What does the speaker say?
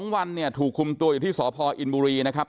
๒วันเนี่ยถูกคุมตัวอยู่ที่สพอินบุรีนะครับ